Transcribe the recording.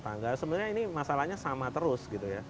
tangga sebenarnya ini masalahnya sama terus